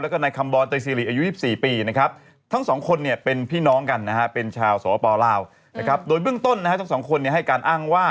โดยด้วยเรื่องต้นนะฮะทั้งสองคนเนี่ยให้การอ้างว่า